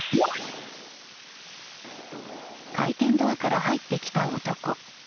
回転ドアから入ってきた男。